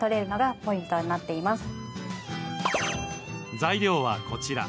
材料はこちら。